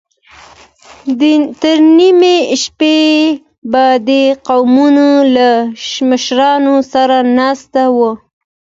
تر نيمې شپې به د قومونو له مشرانو سره ناست و.